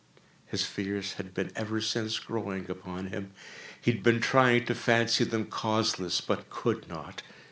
His fears had been ever since growing upon him. He had been trying to fancy them causeless, but could not.